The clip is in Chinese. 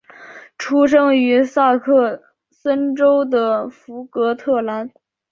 出生于萨克森州的福格特兰。